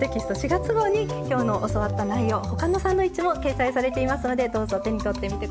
４月号に今日の教わった内容他のサンドイッチも掲載されていますのでどうぞ手に取ってみて下さい。